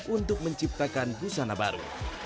untuk menciptakan busana baru